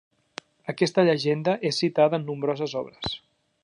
Aquesta llegenda és citada en nombroses obres.